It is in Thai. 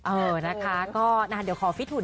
เออนะคะก็นานเดี๋ยวขอฟิตหุ่น